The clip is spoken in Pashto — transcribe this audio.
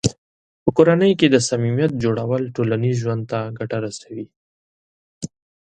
په کورنۍ کې د صمیمیت جوړول ټولنیز ژوند ته ګټه رسوي.